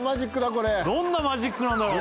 これどんなマジックなんだろう？